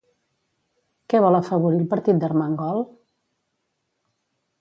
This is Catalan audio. Què vol afavorir el partit d'Armengol?